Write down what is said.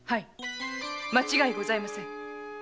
間違いございません。